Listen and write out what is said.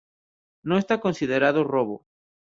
no está considerado robo